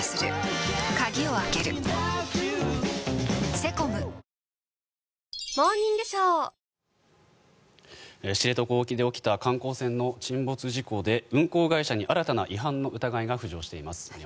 知床沖で起きた観光船の沈没事故で運航会社に新たな違反の疑いが浮上しています。